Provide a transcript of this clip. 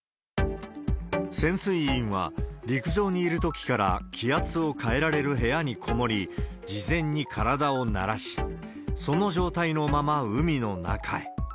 潜水員は、陸上にいるときから気圧を変えられる部屋にこもり、事前に体を慣らし、その状態のまま海の中へ。